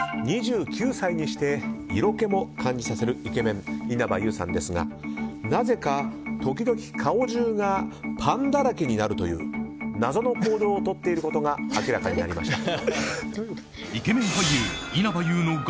２９歳にして色気も感じさせるイケメン稲葉友さんですが、なぜか時々顔中がパンだらけになるという謎の行動をとっていることが明らかになりました。